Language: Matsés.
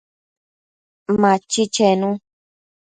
Machi chenu